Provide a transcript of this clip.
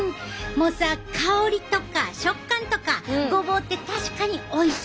もうさ香りとか食感とかごぼうって確かにおいしい！